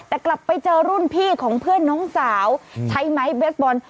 แต่กลับไปเจอรุ่นพี่ของเพื่อนน้องสาวใช้ไม้เบสบอล